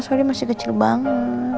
soalnya masih kecil banget